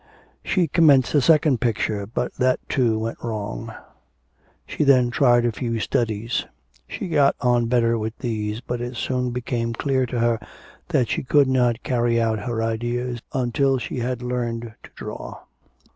She commenced a second picture, but that too went wrong; she then tried a few studies. She got on better with these, but it soon became clear to her that she could not carry out her ideas until she had learned to draw.